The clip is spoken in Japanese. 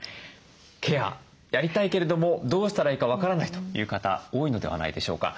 ケアやりたいけれどもどうしたらいいか分からないという方多いのではないでしょうか。